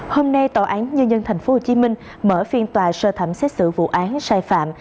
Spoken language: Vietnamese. hôm nay tòa án nhân dân tp hcm mở phiên tòa sơ thẩm xét xử vụ án sai phạm